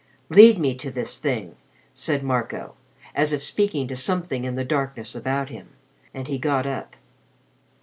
"Lead me to this little thing," said Marco, as if speaking to something in the darkness about him, and he got up.